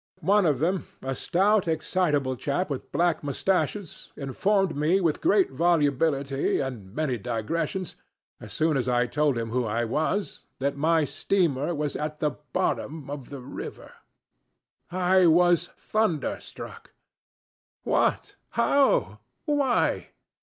One of them, a stout, excitable chap with black mustaches, informed me with great volubility and many digressions, as soon as I told him who I was, that my steamer was at the bottom of the river. I was thunderstruck. What, how, why?